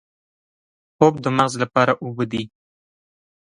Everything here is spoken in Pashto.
خوب د مغز لپاره اوبه دي